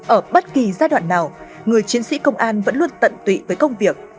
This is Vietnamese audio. ở bất kỳ giai đoạn nào người chiến sĩ công an vẫn luôn tận tụy với công việc